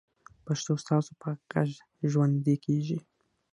پښتو ستاسو په غږ ژوندۍ کېږي.